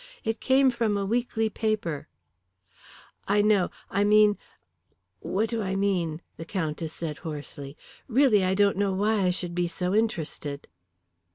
It came from a weekly paper " "I know I mean, what do I mean?" the Countess said hoarsely. "Really I don't know why I should be so interested."